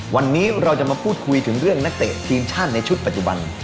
วันนี้เราจะมาพูดคุยถึงเรื่องนักเตะทีมชาติในชุดปัจจุบัน